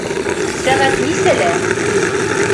Сәғәт нисәлә?